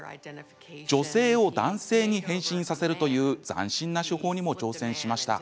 女性を男性に変身させるという斬新な手法にも挑戦しました。